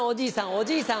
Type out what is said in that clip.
おじいさん